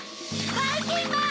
ばいきんまん！